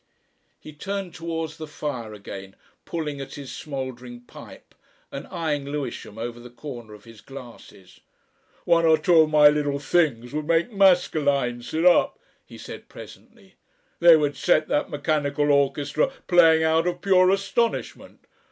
He turned towards the fire again, pulling at his smouldering pipe, and eyeing Lewisham over the corner of his glasses. "One or two of my little things would make Maskelyne sit up," he said presently. "They would set that mechanical orchestra playing out of pure astonishment.